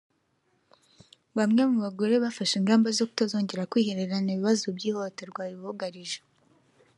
Bamwe mu bagore bafashe ingamba zo kutazongera kwihererana ibibazo by’ihohoterwa ribugarije